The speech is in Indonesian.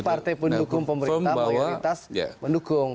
partai pendukung pemerintah mayoritas mendukung